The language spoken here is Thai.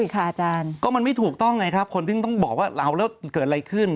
ก็มันไม่ถูกต้องไงครับคนต้องบอกว่าเกิดอะไรขึ้น